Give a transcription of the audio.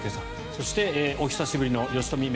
そして、お久しぶりの吉富愛望